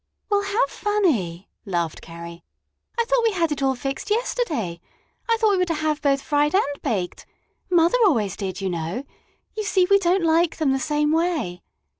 "Well, how funny!" laughed Carrie. "I thought we had it all fixed yesterday. I thought we were to have both fried and baked. Mother always did, you know. You see, we don't like them the same way.